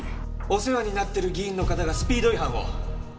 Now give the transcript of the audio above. お世話になってる議員の方がスピード違反を。